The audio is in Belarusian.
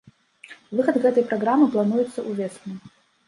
Выхад гэтай праграмы плануецца ўвесну.